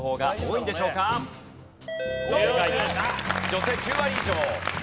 女性９割以上。